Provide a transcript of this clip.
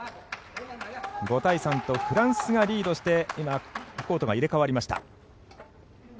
５対３とフランスがリードして今、コートが入れ替わりました。